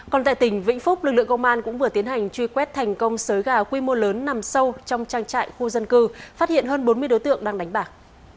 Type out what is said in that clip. còn tại tỉnh vĩnh phúc lực lượng công an cũng vừa tiến hành truy quét thành công sới gà quy mô lớn nằm sâu trong trang trại khu dân cư phát hiện hơn bốn mươi đối tượng đang đánh bạc